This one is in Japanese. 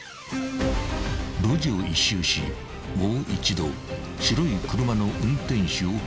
［路地を１周しもう一度白い車の運転手を確認する］